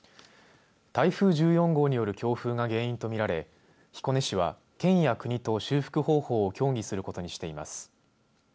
台風１４号による強風が原因と見られ彦根市は、県や国と修復方法を協議することにしています。